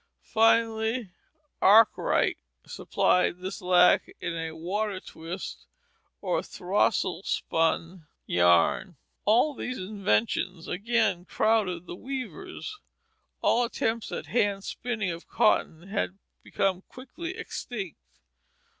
Finally Arkwright supplied this lack in water twist or "throstle spun" yarn. All these inventions again overcrowded the weavers; all attempts at hand spinning of cotton had become quickly extinct.